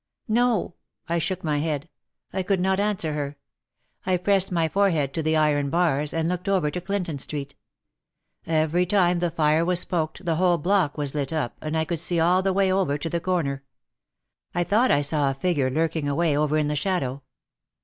"No," I shook my head. I could not answer her. I pressed my forehead to the iron bars and looked over to Clinton Street. Every time the fire was poked the whole block was lit up and I could see all the way over to the corner. I thought I saw a figure lurking away over in the shadow.